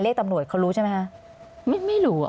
เรียกตำรวจเขารู้ใช่ไหมคะ